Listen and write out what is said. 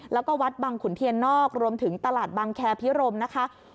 แล้วก็วัดบังขุนเทียนนอกรวมถึงตลาดบังแคพิรมนะคะ